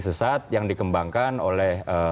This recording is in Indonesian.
sesat yang dikembangkan oleh